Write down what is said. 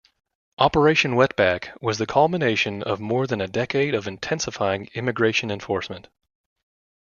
Operation Wetback was the culmination of more than a decade of intensifying immigration enforcement.